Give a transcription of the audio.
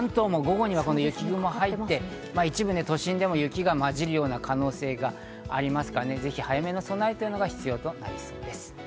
関東も午後には雪雲が入って、一部で都心でも雪がまじるような可能性がありますから、ぜひ早めの備えが必要となりそうです。